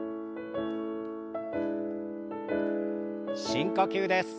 深呼吸です。